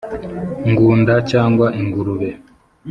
Ngunda cyangwa ingurube